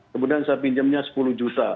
kemudian saya pinjamnya sepuluh juta